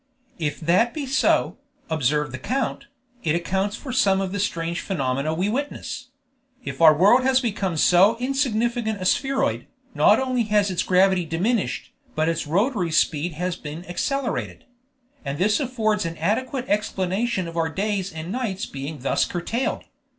"If that be so," observed the count, "it accounts for some of the strange phenomena we witness. If our world has become so insignificant a spheroid, not only has its gravity diminished, but its rotary speed has been accelerated; and this affords an adequate explanation of our days and nights being thus curtailed.